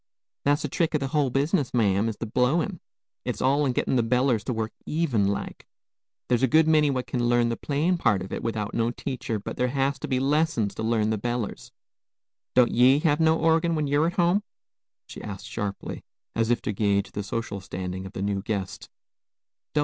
"That's the trick o' the hul business, ma'am, is the blowin'. It's all in gettin' the bellers to work even like. There's a good many what kin learn the playin' part of it without no teacher; but there has to be lessons to learn the bellers. Don't ye have no orgin, when ye're at home?" she asked sharply, as if to guage the social standing of the new guest.